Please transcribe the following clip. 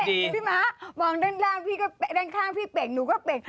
พี่ม้ามองด้านล่างด้านข้างพี่เป่งหนูก็เป่ง